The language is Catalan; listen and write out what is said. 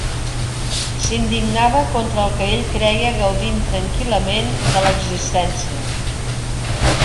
S'indignava contra el que ell creia gaudint tranquil·lament de l'existència.